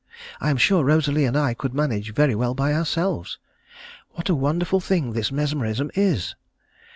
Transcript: I am sure Rosalie and I could manage very well by ourselves. What a wonderful thing this mesmerism is!